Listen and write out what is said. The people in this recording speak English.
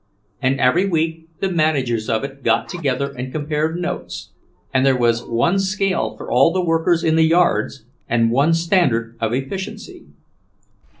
And every week the managers of it got together and compared notes, and there was one scale for all the workers in the yards and one standard of efficiency.